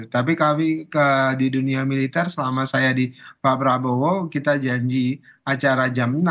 tapi kami di dunia militer selama saya di pak prabowo kita janji acara jam enam